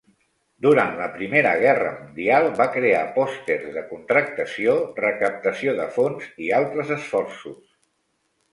Durant la Primera Guerra Mundial, va crear pòsters de contractació, recaptació de fons i altres esforços.